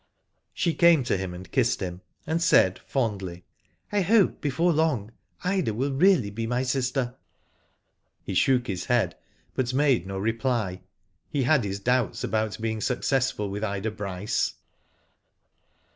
She came to him and kissed him, and said fondly ;I hope before long Ida will really be my sister." He shook his head, but made no reply. He had his doubts about being successful with Ida Bryce.